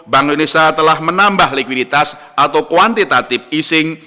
bank indonesia telah menambah likuiditas atau kuantitatif easing